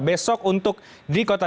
besok untuk di kota